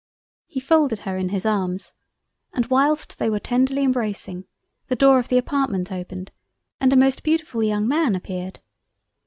He folded her in his arms, and whilst they were tenderly embracing, the Door of the Apartment opened and a most beautifull young Man appeared.